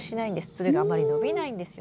つるがあんまり伸びないんですよ。